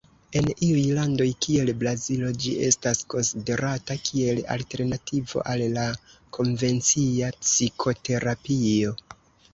En iuj landoj kiel Brazilo ĝi estas konsiderata kiel alternativo al la konvencia psikoterapio.